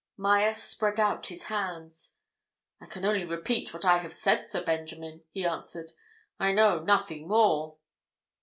Myerst spread out his hands. "I can only repeat what I have said, Sir Benjamin," he answered. "I know nothing more."